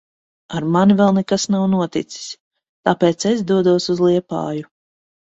Ar mani vēl nekas nav noticis. Tāpēc es dodos uz Liepāju.